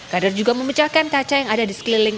kadar juga memecahkan kaca yang ada di sekeliling